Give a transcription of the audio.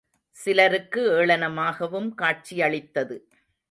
சிலருக்கு ஏளனமாகவும் காட்சியளித்தது.